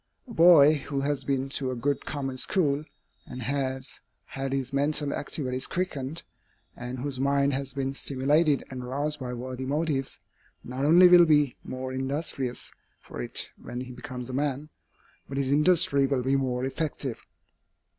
A boy who has been to a good common school, and has had his mental activities quickened, and whose mind has been stimulated and roused by worthy motives, not only will be more industrious for it when he becomes a man, but his industry will be more effective.